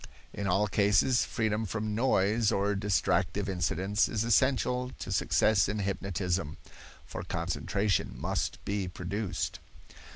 In all cases, freedom from noise or distractive incidents is essential to success in hypnotism, for concentration must be produced.